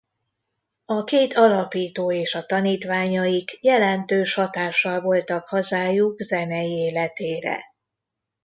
A két alapító és a tanítványaik jelentős hatással voltak hazájuk zenei életére.